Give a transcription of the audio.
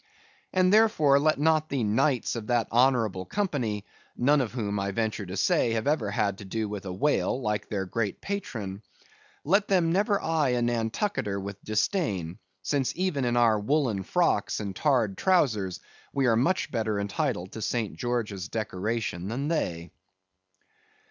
And therefore, let not the knights of that honorable company (none of whom, I venture to say, have ever had to do with a whale like their great patron), let them never eye a Nantucketer with disdain, since even in our woollen frocks and tarred trowsers we are much better entitled to St. George's decoration than they.